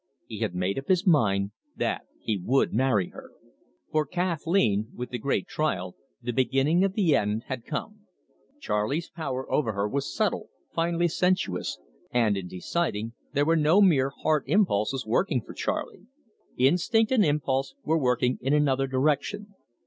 He had made up his mind that he would marry her. For Kathleen, with the great trial, the beginning of the end had come. Charley's power over her was subtle, finely sensuous, and, in deciding, there were no mere heart impulses working for Charley. Instinct and impulse were working in another direction.